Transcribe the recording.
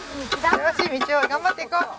険しい道を頑張って行こう！